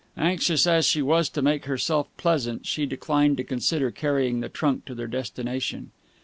Anxious as she was to make herself pleasant, she declined to consider carrying the trunk to their destination.